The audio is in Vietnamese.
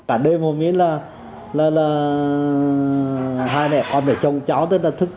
tại đêm hôm nay là hai mẹ con để trông cháu rất là thức